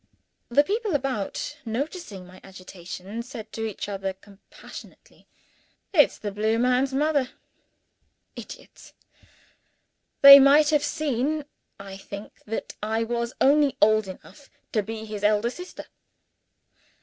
The people about, noticing my agitation, said to each other compassionately, "It's the blue man's mother!" Idiots! They might have seen, I think, that I was only old enough to be his elder sister.